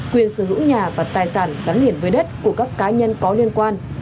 quyền sử dụng nhà và tài sản đáng liền với đất của các cá nhân có liên quan